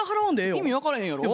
意味分からへんやろ？